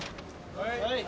はい！